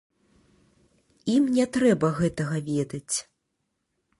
Ім не трэба гэтага ведаць.